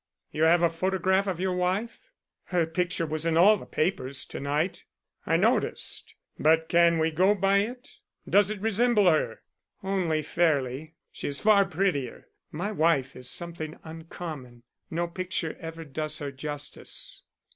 You have a photograph of your wife?" "Her picture was in all the papers to night." "I noticed. But can we go by it? Does it resemble her?" "Only fairly. She is far prettier. My wife is something uncommon. No picture ever does her justice."